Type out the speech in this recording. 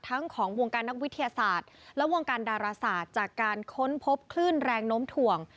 ของวงการนักวิทยาศาสตร์และวงการดาราศาสตร์จากการค้นพบคลื่นแรงโน้มถ่วง